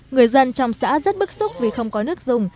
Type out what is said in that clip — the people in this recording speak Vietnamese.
người dân trong xã rất bức xúc vì không có nước dùng